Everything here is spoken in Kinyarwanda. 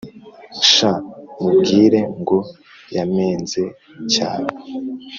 Sha mubwire ngo yamenze cyane